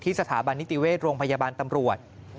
สถาบันนิติเวชโรงพยาบาลตำรวจ